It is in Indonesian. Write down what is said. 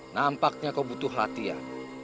nampaknya kau butuh latihan